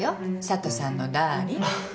佐都さんのダーリン。